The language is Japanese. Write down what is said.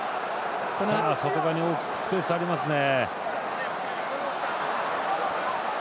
外側に大きくスペースがありますね。